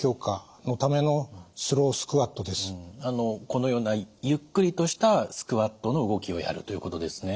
このようなゆっくりとしたスクワットの動きをやるということですね。